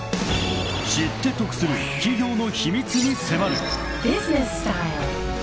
［知って得する企業の秘密に迫る］